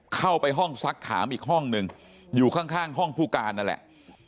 เข้าไปห้องซักถามอีกห้องหนึ่งอยู่ข้างห้องผู้การนั่นแหละ